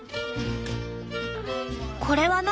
これは何？